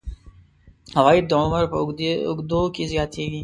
عواید د عمر په اوږدو کې زیاتیږي.